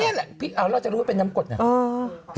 เนี่ยแหละพี่เอาเราจะรู้ว่าเป็นยำกดเนี่ยเออ